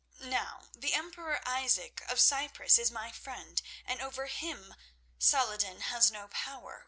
Now, the Emperor Isaac of Cyprus is my friend, and over him Saladin has no power.